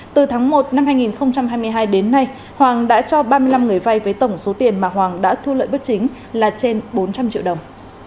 từ tháng một năm hai nghìn hai mươi hai đến nay hoàng đã cho ba mươi năm người vay với tổng số tiền mà hoàng đã thu lợi bất chính là trên bốn trăm linh triệu đồng